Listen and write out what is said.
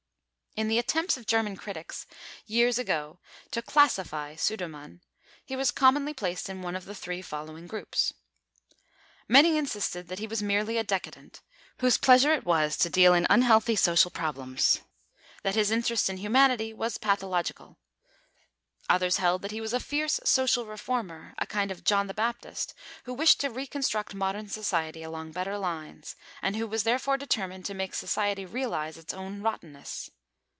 In the attempts of German critics years ago to "classify" Sudermann, he was commonly placed in one of the three following groups. Many insisted that he was merely a Decadent, whose pleasure it was to deal in unhealthy social problems. That his interest in humanity was pathological. Others held that he was a fierce social Reformer, a kind of John the Baptist, who wished to reconstruct modern society along better lines, and who was therefore determined to make society realise its own rottenness.